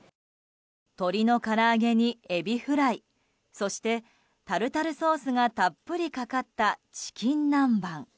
鶏のから揚げにエビフライそしてタルタルソースがたっぷりかかったチキン南蛮。